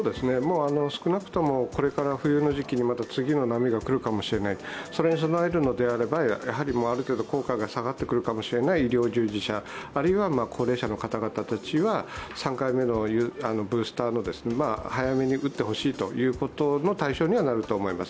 少なくともこれから冬の時期にまた次の波が来るかもしれないそれに備えるのであれば、ある程度効果が下がってくるかもしれない医療従事者、あるいは高齢者の方々たちは３回目のブースターを早めに打ってほしいということの対象にはなると思います。